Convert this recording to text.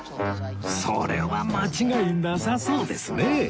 それは間違いなさそうですね